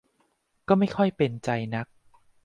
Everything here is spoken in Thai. ก็ไม่ค่อยเป็นใจนัก